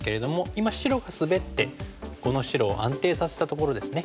今白がスベってこの白を安定させたところですね。